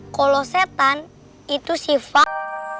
kalau setan itu sifat